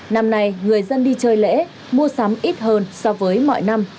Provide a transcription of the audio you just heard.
năm nay người dân đi chơi lễ mua sắm ít hơn so với mọi năm